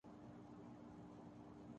ہماری جب اگلی حکومت آئے گی تو پاکستان